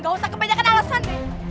gak usah kebanyakan alasan deh